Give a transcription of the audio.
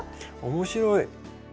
面白い。